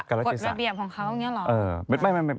กฎระเบียบของเขาอย่างนี้เหรอ